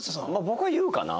僕は言うかな。